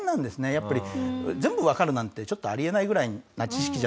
やっぱり全部わかるなんてちょっとあり得ないぐらいな知識じゃないですか。